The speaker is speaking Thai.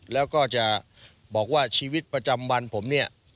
แล้วก็จะบอกว่าชีวิตประจำวันผมเนี่ย